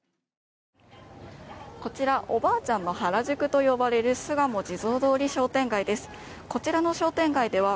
こちらおばあちゃんの原宿と呼ばれる巣鴨地蔵通り商店街です。